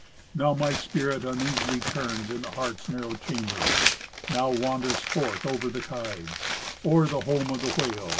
Now my spirit uneasily turns in the heart's narrow chamber. Now wanders forth over the tides, o'er the home of the whale.